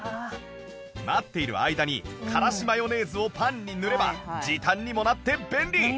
待っている間にからしマヨネーズをパンに塗れば時短にもなって便利！